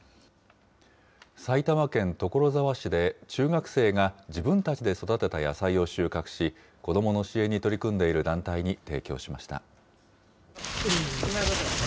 埼玉県所沢市で中学生が自分たちで育てた野菜を収穫し、子どもの支援に取り組んでいる団体に提供しました。